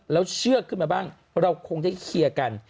แล้วเชือกขึ้นมาบ้างเราคงได้เคลียร์กัน